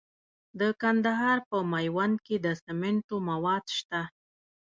د کندهار په میوند کې د سمنټو مواد شته.